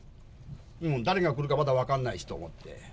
もう誰が来るかまだ分からないしと思って。